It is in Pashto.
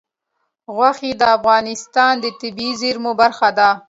غوښې د افغانستان د طبیعي زیرمو برخه ده.